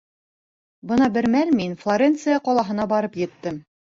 Бына бер мәл мин Флоренция ҡалаһына барып еттем.